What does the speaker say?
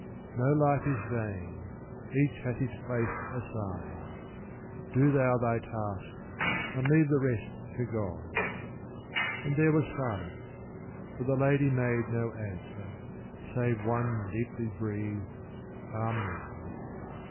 No life is vain: each hath his place assigned: Do thou thy task, and leave the rest to God." And there was silence, but the Lady made No answer, save one deeply breathed "Amen."